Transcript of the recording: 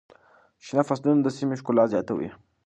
شنه فصلونه د سیمې ښکلا زیاتوي.